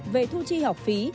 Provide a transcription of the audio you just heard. về thu chi học phí